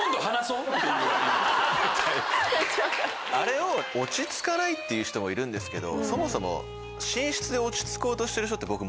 あれを落ち着かないって言う人もいるんですけどそもそも寝室で落ち着こうとしてる人って僕。